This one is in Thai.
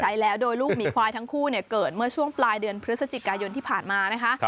ใช่แล้วโดยลูกหมีควายทั้งคู่เกิดเมื่อช่วงปลายเดือนพฤศจิกายนที่ผ่านมานะคะ